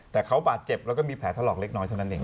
แต่เขาบาดเจ็บแล้วก็มีแผลถลอกเล็กน้อยเท่านั้นเอง